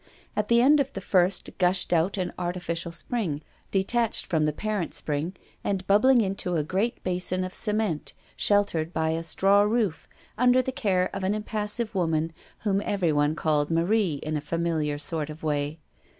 At the end of the first gushed out an artificial spring detached from the parent spring, and bubbling into a great basin of cement, sheltered by a straw roof, under the care of an impassive woman, whom everyone called "Marie" in a familiar sort of way.